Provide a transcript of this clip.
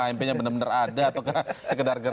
hmp nya benar benar ada atau sekedar gerdak